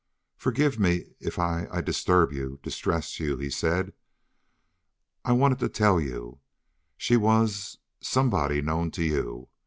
"Forgive me if I I disturb you, distress you," he said. "I wanted to tell you. She was somehow known to you.